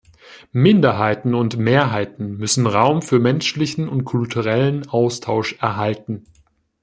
Minderheiten und Mehrheiten müssen Raum für menschlichen und kulturellen Austausch erhalten.